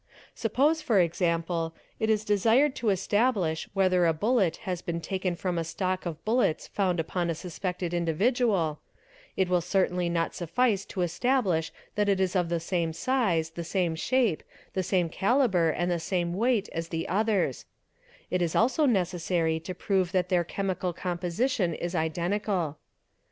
Suppose for example it is desired to establish whether a bullet — has been taken from a stock of bullets found upon a suspected individual, it will certainly not suffice to establish that it is of the same size, the same shape, the same calibre and the same weight as the others; it is also necessary to prove that their chemical composition is identical @".